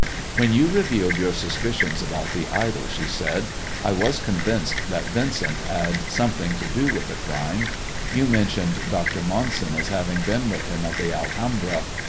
" When you revealed your suspicions about the idol," i said, " I was convinced that Vincent had something to with tho crime. You mentioned Dr. Monson as havM been with him at the Allmmbra.